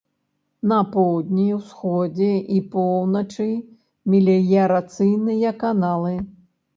На поўдні, усходзе і поўначы меліярацыйныя каналы.